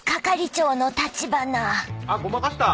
あっごまかした！